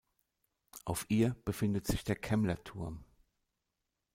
Auf ihr befindet sich der Kemmler-Turm.